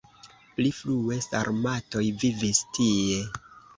Pli frue sarmatoj vivis tie.